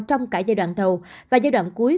trong cả giai đoạn đầu và giai đoạn cuối